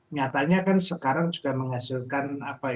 nyatanya kan sekarang juga menghasilkan